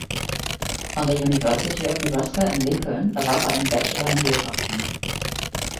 An der University of Nebraska in Lincoln erwarb er einen Bachelor in Geografie.